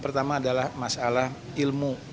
pertama adalah masalah ilmu